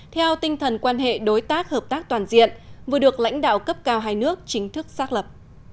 theo tinh thần quan hệ đối tác hợp tác toàn diện vừa được lãnh đạo cấp cao hai nước chính thức xác lập